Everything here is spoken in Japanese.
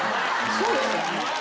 そうですよね？